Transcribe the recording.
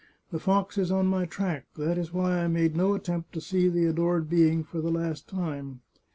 The fox is on my track ; that is why I made no attempt to see the adored being for the last time.